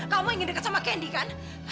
kamu ingin dekat sama kendi kan